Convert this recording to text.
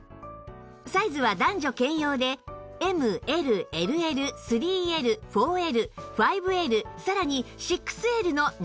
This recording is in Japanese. サイズは男女兼用で ＭＬＬＬ３Ｌ４Ｌ５Ｌ さらに ６Ｌ の７種類